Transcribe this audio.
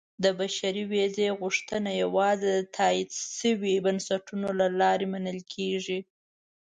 • د بشري ویزې غوښتنه یوازې د تایید شویو بنسټونو له لارې منل کېږي.